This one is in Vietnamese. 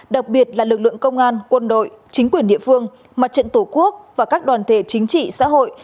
đặc biệt là lực lượng công an quân đội chính quyền địa phương mặt trận tổ quốc và các đoàn thể chính trị xã hội